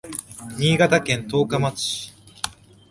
新潟県十日町市